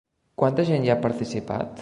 Quanta gent hi ha participat?